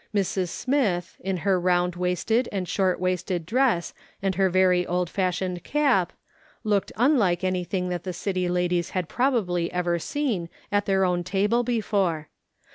Mrs. Smith, in lier round waisted and short waisted dress and her very old fashioned cap, looked unlike anything that the city ladies had probably ever seen at their own table before.